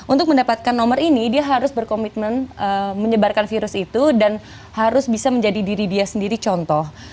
untuk mendapatkan nomor ini dia harus berkomitmen menyebarkan virus itu dan harus bisa menjadi diri dia sendiri contoh